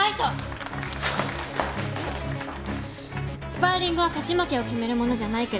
スパーリングは勝ち負けを決めるものじゃないけど。